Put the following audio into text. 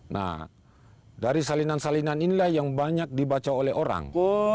nah dari salinan salinan inilah yang banyak dibaca oleh orang